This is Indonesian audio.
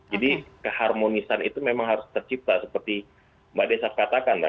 jadi keharmonisan itu memang harus tercipta seperti mbak desa katakan